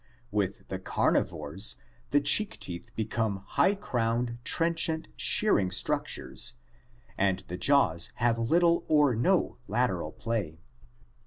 With the carnivores, the cheek teeth become high crowned, trenchant, shearing structures, and the jaws have little or no lateral play.